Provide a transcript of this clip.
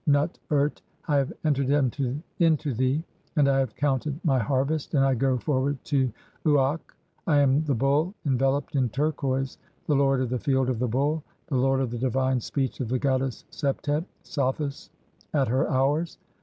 "Nut urt, 1 I have entered into thee and I have counted my "harvest, (33) and I go forward to Uakh. 2 I am the Bull en veloped in turquoise, the lord of the Field of the Bull, the "lord of the divine speech of the goddess Septet (Sothis) (34) "at her hours.